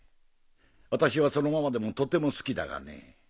私はそのままでもとても好きだがね。